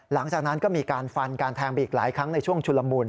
หลังจากนั้นก็มีการฟันการแทงไปอีกหลายครั้งในช่วงชุลมุน